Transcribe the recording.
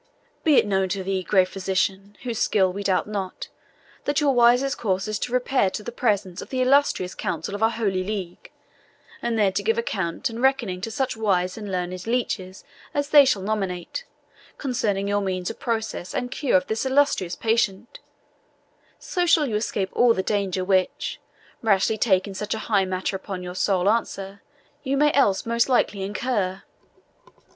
Be it known to thee, grave physician, whose skill we doubt not, that your wisest course is to repair to the presence of the illustrious Council of our Holy League, and there to give account and reckoning to such wise and learned leeches as they shall nominate, concerning your means of process and cure of this illustrious patient; so shall you escape all the danger which, rashly taking such a high matter upon your sole answer, you may else most likely incur."